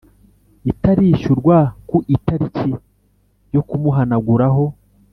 Itarishyurwa ku itariki yo kumuhanaguraho